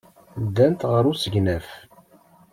Ddant ɣer usegnaf.